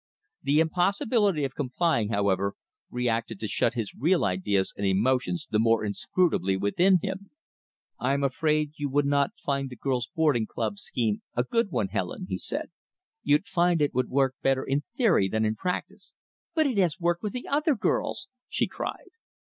The impossibility of complying, however, reacted to shut his real ideas and emotions the more inscrutably within him. "I'm afraid you would not find the girls' boarding club scheme a good one, Helen," said he. "You'd find it would work better in theory than in practice." "But it has worked with the other girls!" she cried.